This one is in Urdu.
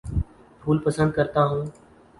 پھول پسند کرتا ہوں